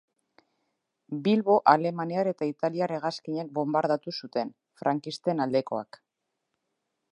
Bilbo alemaniar eta italiar hegazkinek bonbardatu zuten, frankisten aldekoak.